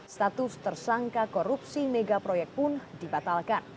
status tersangka korupsi mega proyek pun dibatalkan